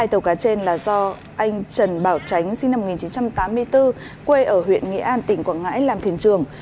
hai tàu cá trên là do anh trần bảo tránh sinh năm một nghìn chín trăm tám mươi bốn quê ở huyện nghĩa an tỉnh quảng ngãi làm thuyền trường